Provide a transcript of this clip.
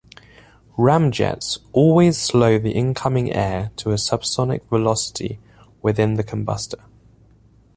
Ramjets always slow the incoming air to a subsonic velocity within the combustor.